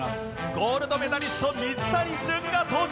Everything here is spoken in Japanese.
ゴールドメダリスト水谷隼が登場！